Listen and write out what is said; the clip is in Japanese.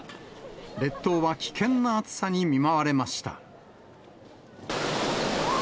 列島は危険な暑さに見舞われました。